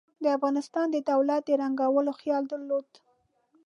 د افغانستان د دولت د ړنګولو خیال درلود.